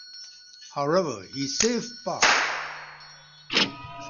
However he saved par.